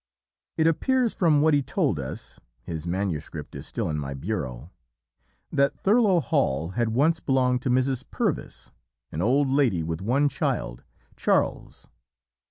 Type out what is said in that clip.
"It appears from what he told us (his MS. is still in my bureau) that Thurlow Hall once belonged to Mrs. Purvis, an old lady with one child, Charles.